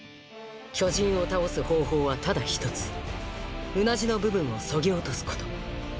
巨人を倒す方法はただ１つうなじの部分を削ぎ落とすこと。